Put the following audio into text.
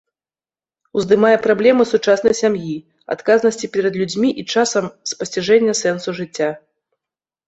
Уздымае праблемы сучаснай сям'і, адказнасці перад людзьмі і часам, спасціжэння сэнсу жыцця.